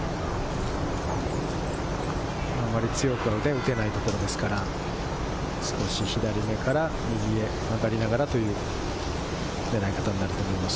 あまり強くは打てないところですから、少し左目から右へ曲がりながらという狙い方になると思います。